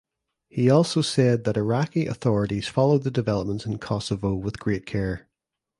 He also said that Iraqi authorities followed the developments in Kosovo with great care.